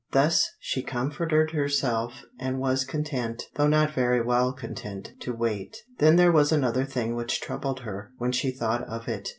Thus she comforted herself and was content, though not very well content, to wait. Then there was another thing which troubled her, when she thought of it.